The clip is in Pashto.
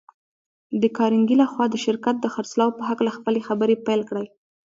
د کارنګي لهخوا د شرکت د خرڅلاو په هکله خپلې خبرې پيل کړې.